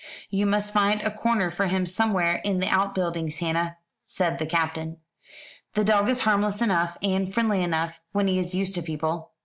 You must find a corner for him somewhere in the outbuildings, Hannah," said the Captain. "The dog is harmless enough, and friendly enough when he is used to people."